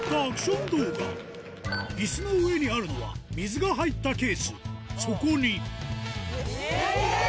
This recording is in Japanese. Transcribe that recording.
まずは椅子の上にあるのは水が入ったケースそこにえぇ！